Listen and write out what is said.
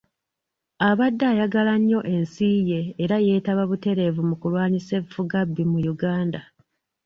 Abadde ayagala nnyo ensi ye era yeetaba butereevu mu kulwanyisa effugabbi mu Uganda.